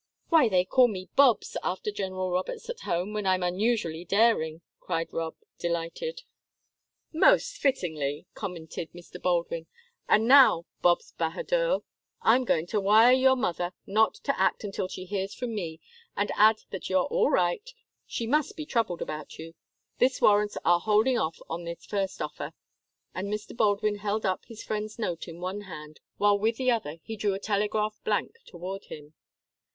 "Why, they call me 'Bobs' after General Roberts at home when I'm unusually daring," cried Rob, delighted. "Most fittingly," commented Mr. Baldwin. "And now, 'Bobs bahadur,' I'm going to wire your mother not to act until she hears from me, and add that you're all right; she must be troubled about you. This warrants our holding off on this first offer." And Mr. Baldwin held up his friend's note in one hand, while with the other he drew a telegraph blank toward him.